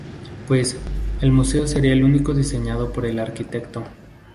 Pues, el museo sería el único diseñado por el arquitecto.